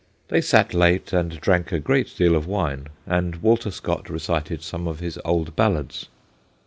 They sat late, and drank a great deal of wine, and Walter Scott recited some of his old ballads.